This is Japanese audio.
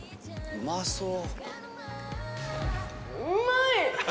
うまそう。